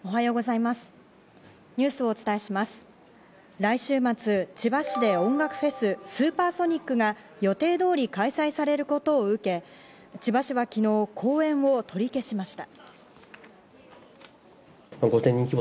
来週末、千葉市で音楽フェス・スーパーソニックが予定通り開催されることを受け、千葉市は昨日、後援を取り消しました。